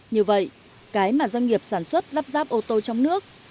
như vậy cái mà doanh nghiệp sản xuất lắp ráp ô tô trong nước